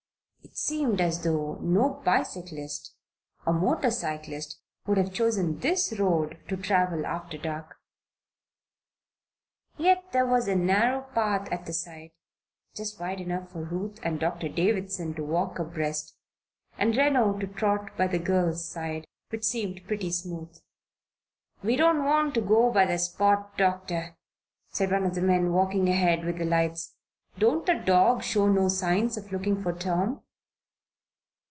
It seemed as though no bicyclist, or motor cyclist would have chosen this road to travel after dark. Yet there was a narrow path at the side just wide enough for Ruth and Doctor Davison to walk abreast, and Reno to trot by the girl's side which seemed pretty smooth. "We don't want to go by the spot, Doctor," said one of the men walking ahead with the lights. "Don't the dog show no signs of looking for Tom?"